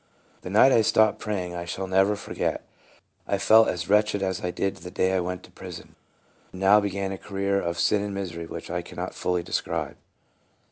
The night I stopped praying I shall never forget. I felt as wretched as I did the day I went to prison. And now began a career of sin and misery which I cannot fully describe.